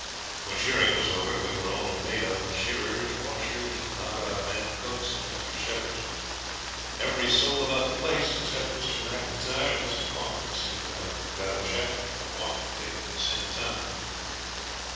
When shearing was over we were all paid up shearers, washers, knock about men, cooks, and extra shepherds. Every soul about the place except Mr. M'Intyre and Mr. Falkland seemed to have got a cheque and a walking ticket at the same time.